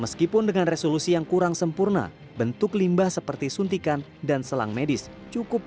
meskipun dengan resolusi yang kurang sempurna bentuk limbah seperti suntikan dan selang medis cukup